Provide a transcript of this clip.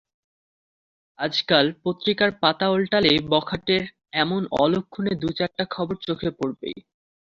আজকাল পত্রিকার পাতা ওলটালেই বখাটেদের এমন অলক্ষুনে দু-চারটা খবর চোখে পড়েই।